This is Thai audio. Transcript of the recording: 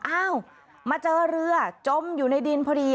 อ้าวมาเจอเรือจมอยู่ในดินพอดี